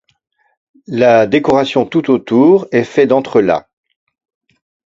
La décoration tout autour est fait d'entrelacs.